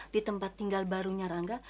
di tempat tinggal barunya rangga